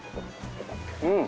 うん。